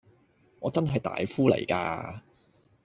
我真係大夫嚟㗎